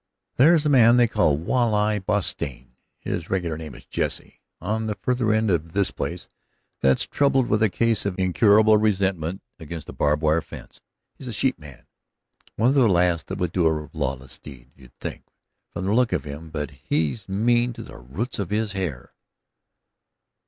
"There's a man they call Walleye Bostian his regular name is Jesse on the farther end of this place that's troubled with a case of incurable resentment against a barbed wire fence. He's a sheepman, one of the last that would do a lawless deed, you'd think, from the look of him, but he's mean to the roots of his hair."